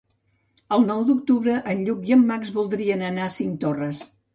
El nou d'octubre en Lluc i en Max voldrien anar a Cinctorres.